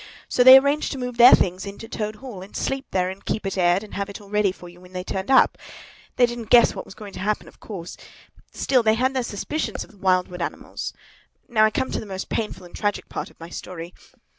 So they arranged to move their things in to Toad Hall, and sleep there, and keep it aired, and have it all ready for you when you turned up. They didn't guess what was going to happen, of course; still, they had their suspicions of the Wild Wood animals. Now I come to the most painful and tragic part of my story.